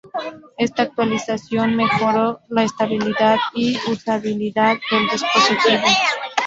Está actualización mejoró la estabilidad y usabilidad del dispositivo.